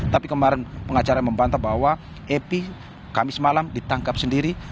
tapi kemarin pengacara membantah bahwa epi kamis malam ditangkap sendiri